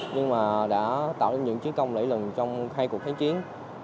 nhưng mà đã tạo ra những chiến công lễ lần trong hai cuộc kháng chiến